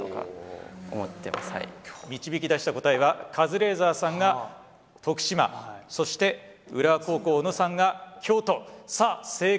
導き出した答えはカズレーザーさんが徳島そして浦和高校小野さんが京都。